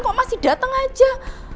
kok masih dateng aja